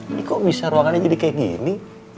ini kok bisa ruangannya jadi kayak gini